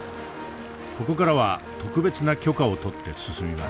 ここからは特別な許可を取って進みます。